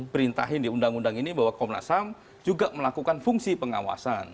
perintahin di undang undang ini bahwa komnas ham juga melakukan fungsi pengawasan